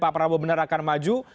pak prabowo benar akan maju